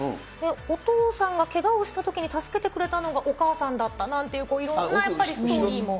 お父さんがけがをしたときに助けてくれたのがお母さんだったなんていういろんなやっぱりストーリーも。